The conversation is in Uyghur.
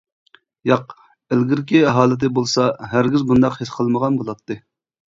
ياق، ئىلگىرىكى ھالىتى بولسا ھەرگىز بۇنداق ھېس قىلمىغان بولاتتى.